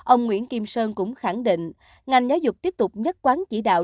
ông nguyễn kim sơn cũng khẳng định ngành giáo dục tiếp tục nhất quán chỉ đạo